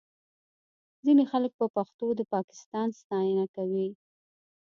ځینې خلک په پښتو د پاکستان ستاینه کوي